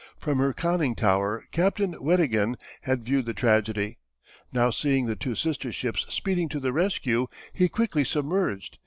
From her conning tower Captain Weddigen had viewed the tragedy. Now seeing the two sister ships speeding to the rescue he quickly submerged.